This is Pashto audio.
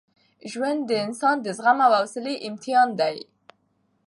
ژوند د انسان د زغم او حوصلې امتحان دی.